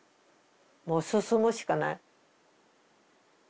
もう進むしかない。